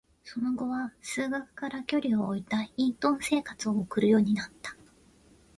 その後は、数学から距離を置いた隠遁生活を送るようになった。